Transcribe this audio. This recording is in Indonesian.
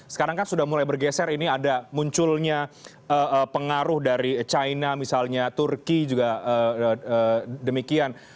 sekarang kan sudah mulai bergeser ini ada munculnya pengaruh dari china misalnya turki juga demikian